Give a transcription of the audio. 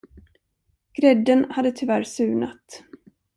Grädden hade tyvärr surnat.